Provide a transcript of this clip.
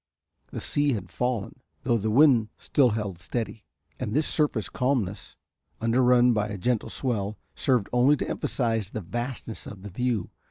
The sea had fallen, though the wind still held steady, and this surface calmness, under run by a gentle swell, served only to emphasize the vastness of the view.